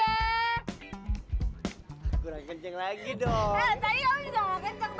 aku udah kenceng lagi dong